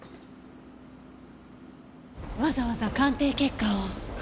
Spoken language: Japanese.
わざわざ鑑定結果を。